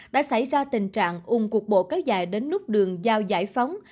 đã xảy ra tình trạng ủng cuộc bộ cao dài đến nút đường giao giải phóng